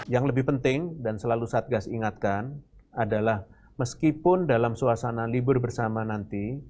yang lebih penting dan selalu satgas ingatkan adalah meskipun dalam suasana libur bersama nanti